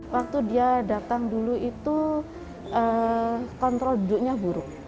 waktu dia datang dulu itu kontrol duduknya buruk